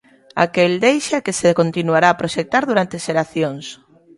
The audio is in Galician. A que el deixa e que se continuará a proxectar durante xeracións.